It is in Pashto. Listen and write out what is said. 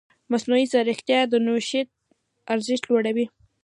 مصنوعي ځیرکتیا د نوښت ارزښت لوړوي.